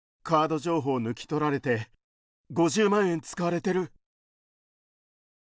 カード情報抜き取られて５０万円使われてる。